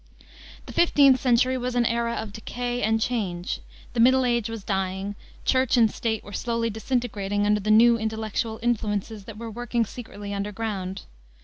The 15th century was an era of decay and change. The Middle Age was dying, Church and State were slowly disintegrating under the new intellectual influences that were working secretly under ground.